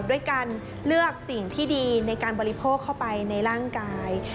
ด้วยการเลือกสิ่งที่ดีในการบริโภคเข้าไปในร่างกาย